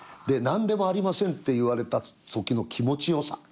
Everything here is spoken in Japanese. で何でもありませんって言われたときの気持ち良さ。